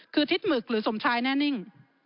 คือทิศหมึกหรือสมชายแน่นิ่ง